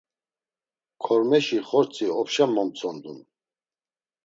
Kormeşi xortzi opşa momtzondun.